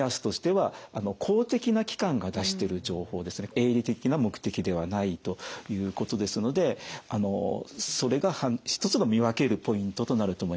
営利的な目的ではないということですのでそれが一つの見分けるポイントとなると思います。